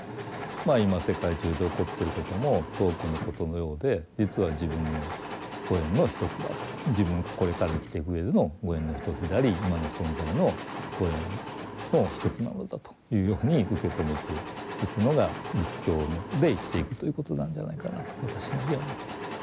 まあ今世界中で起こっていることも遠くのことのようで実は自分のご縁の一つだと自分がこれから生きていくうえでのご縁の一つであり今の存在のご縁の一つなのだというように受け止めていくのが仏教で生きていくということなんじゃないかなと私なりには思っています。